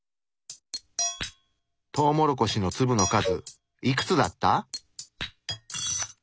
トウモロコシの粒の数いくつだった？